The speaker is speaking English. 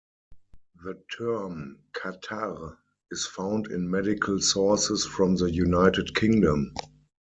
The term "catarrh" is found in medical sources from the United Kingdom.